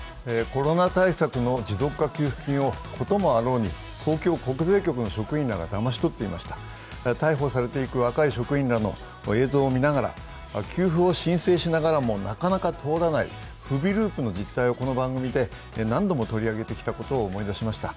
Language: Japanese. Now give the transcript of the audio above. コロナ対策の持続化給付金をこともあろうに逮捕されていく若い職員らの映像を見ながら給付を申請しながらもなかなか通らない不備ループの実態をこの番組で何度も取り上げてきたことを思い出しました。